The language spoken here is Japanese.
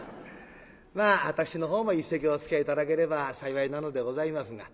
まあ私のほうも一席おつきあい頂ければ幸いなのでございますが。